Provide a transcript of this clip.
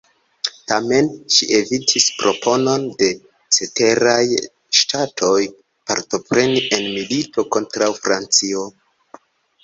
Tamen ŝi evitis proponon de ceteraj ŝtatoj partopreni en milito kontraŭ Francio.